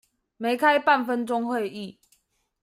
沒開半分鐘會議